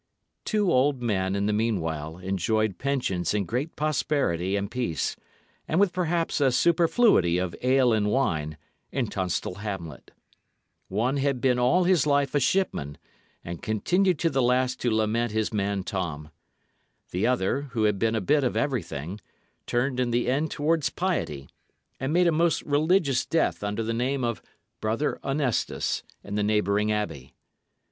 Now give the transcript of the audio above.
Two old men in the meanwhile enjoyed pensions in great prosperity and peace, and with perhaps a superfluity of ale and wine, in Tunstall hamlet. One had been all his life a shipman, and continued to the last to lament his man Tom. The other, who had been a bit of everything, turned in the end towards piety, and made a most religious death under the name of Brother Honestus in the neighbouring abbey.